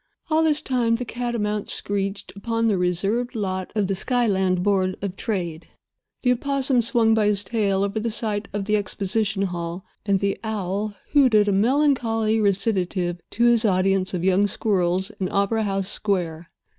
All this time the catamount screeched upon the reserved lot of the Skyland Board of Trade, the opossum swung by his tail over the site of the exposition hall, and the owl hooted a melancholy recitative to his audience of young squirrels in opera house square.